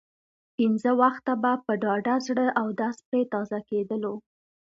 پنځه وخته به په ډاډه زړه اودس پرې تازه کېدلو.